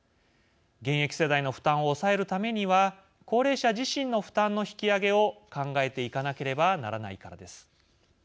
現役世代の負担を抑えるためには高齢者自身の負担の引き上げを考えていかなければならないからです。